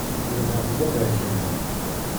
Ḥemmleɣ-t d aberkan.